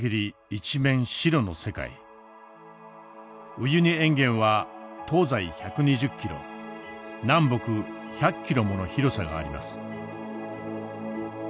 ウユニ塩原は東西１２０キロ南北１００キロもの広さがあります。